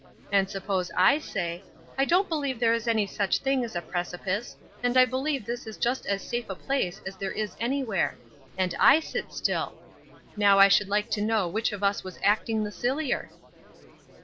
And suppose I say, 'I don't believe there is any such thing as a precipice, and I believe this is just as safe a place as there is anywhere,' and I sit still. Now I should like to know which of us was acting the sillier?"